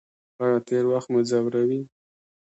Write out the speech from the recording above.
ایا تیر وخت مو ځوروي؟